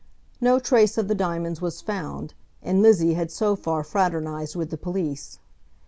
No trace of the diamonds was found, and Lizzie had so far fraternised with the police.